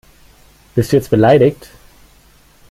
Bist du jetzt beleidigt?